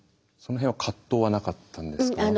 その辺は葛藤はなかったんですか？